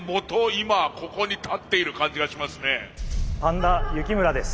今ここに立っている感じがしますね。